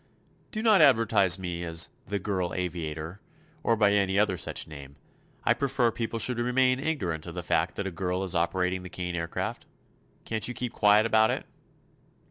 "Do not advertise me as 'The Girl Aviator,' or by any other such name. I prefer people should remain ignorant of the fact that a girl is operating the Kane Aircraft. Can't you keep quiet about it?"